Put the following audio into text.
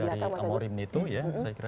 dari amorim itu ya